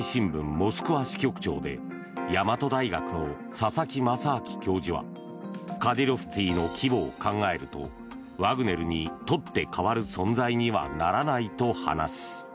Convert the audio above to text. モスクワ支局長で大和大学の佐々木正明教授はカディロフツィの規模を考えるとワグネルに取って代わる存在にはならないと話す。